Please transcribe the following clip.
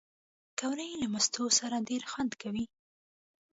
پکورې له مستو سره ډېر خوند کوي